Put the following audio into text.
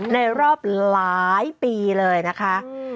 ในรอบหลายปีเลยนะคะ